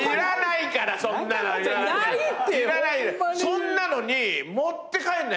それなのに持って帰んない。